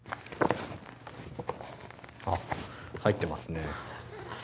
あっ、入ってますね。